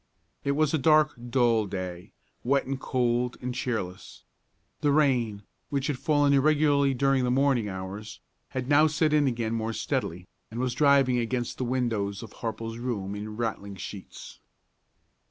It was a dark, dull day, wet and cold and cheerless. The rain, which had fallen irregularly during the morning hours, had now set in again more steadily, and was driving against the windows of Harple's room in rattling sheets.